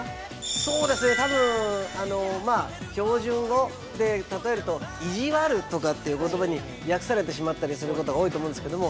そうですね多分標準語で例えると意地悪とかっていう言葉に訳されてしまったりすることが多いと思うんですけども。